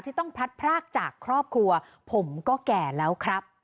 ต้องพลัดพรากจากครอบครัวผมก็แก่แล้วครับ